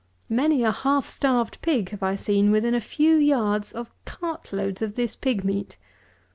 Many a half starved pig have I seen within a few yards of cart loads of this pig meat!